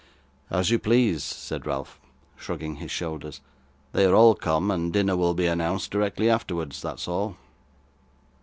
'As you please,' said Ralph, shrugging his shoulders. 'They are all come, and dinner will be announced directly afterwards that's all.